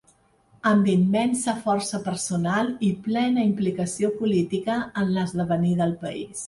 Amb immensa força personal i plena implicació política en l'esdevenir del país.